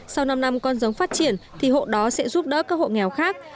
sau năm năm con giống phát triển thì hộ đó sẽ giúp đỡ các hộ nghèo khác